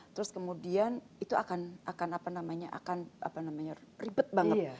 terus kemudian itu akan ribet banget